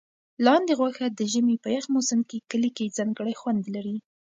لاندي غوښه د ژمي په یخ موسم کې کلي کې ځانګړی خوند لري.